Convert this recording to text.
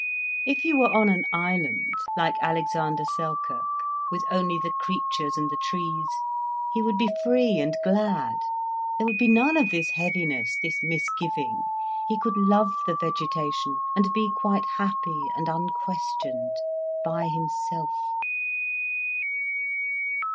If he were on an island, like Alexander Selkirk, with only the creatures and the trees, he would be free and glad, there would be none of this heaviness, this misgiving. He could love the vegetation and be quite happy and unquestioned, by himself.